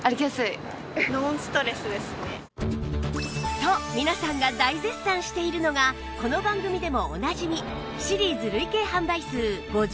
と皆さんが大絶賛しているのがこの番組でもおなじみ